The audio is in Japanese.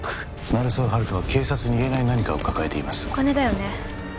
鳴沢温人は警察に言えない何かを抱えていますお金だよね？